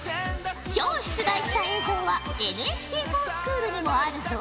今日出題した映像はＮＨＫｆｏｒｓｃｈｏｏｌにもあるぞ。